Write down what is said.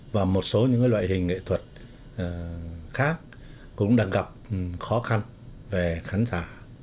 và một số những loại hình nghệ thuật khác cũng đang gặp khó khăn về khán giả